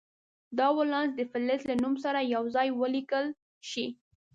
دا ولانس د فلز له نوم سره یو ځای ولیکل شي.